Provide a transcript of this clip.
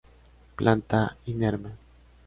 Planta inerme.